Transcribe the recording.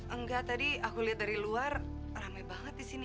enggak tadi aku lihat dari luar rame banget di sini